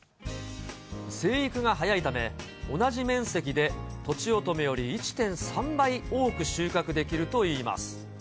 生育が早いため、同じ面積でとちおとめより１．３倍多く収穫できるといいます。